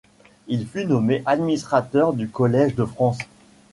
Il fut nommé administrateur du Collège de France.